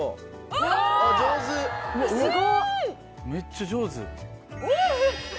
めっちゃ上手。